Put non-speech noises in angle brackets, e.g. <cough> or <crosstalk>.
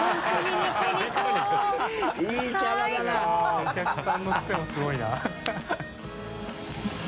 お客さんのクセもすごいな <laughs>